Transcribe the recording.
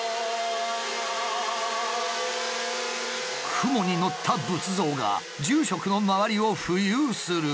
雲にのった仏像が住職の周りを浮遊する。